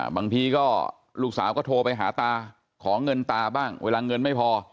บางทีก็ลูกสาวก็โทรไปหาตาขอเงินตาบ้างเวลาเงินไม่พอ